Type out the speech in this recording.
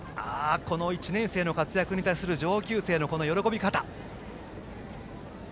この１年生の活躍に対する上級生の喜び方。